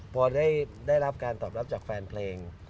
พอได้รับการตอบรับจากแฟนเพลง